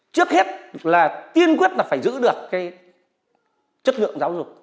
trước hết là tiên quyết là phải giữ được cái chất lượng giáo dục